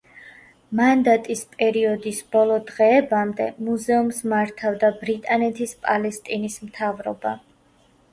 მანდატის პერიოდის ბოლო დღეებამდე მუზეუმს მართავდა ბრიტანეთის პალესტინის მთავრობა.